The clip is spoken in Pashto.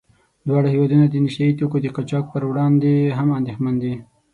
دواړه هېوادونه د نشه يي توکو د قاچاق په وړاندې هم اندېښمن دي.